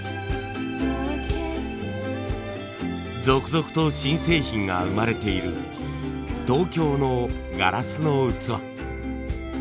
続々と新製品が生まれている東京のガラスの器。